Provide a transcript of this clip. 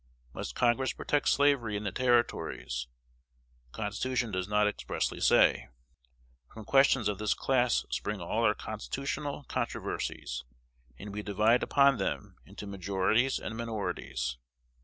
Must Congress protect slavery in the Territories? The Constitution does not expressly say. From questions of this class spring all our constitutional controversies, and we divide upon them into majorities and minorities.